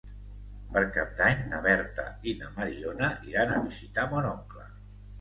Per Cap d'Any na Berta i na Mariona iran a visitar mon oncle.